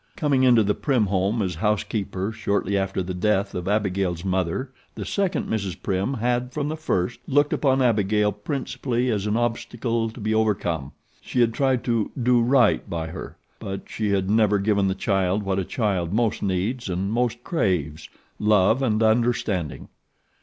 Coming into the Prim home as house keeper shortly after the death of Abigail's mother, the second Mrs. Prim had from the first looked upon Abigail principally as an obstacle to be overcome. She had tried to 'do right by her'; but she had never given the child what a child most needs and most craves love and understanding.